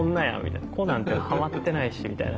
「コ」なんて変わってないしみたいな。